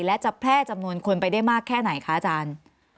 และจะแพร่จำนวนคนไปได้มากแค่ไหนคะอาจารย์